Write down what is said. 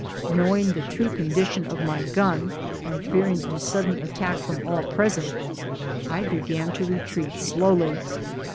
Know ing the true condition of my gun, and fearing a sudden attack from all present, I began to retreat slowly.